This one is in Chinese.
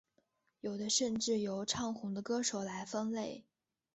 有的甚至由唱红的歌手来分类。